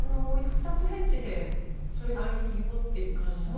二つ返事で「それがいいよ」っていう感じでしたね。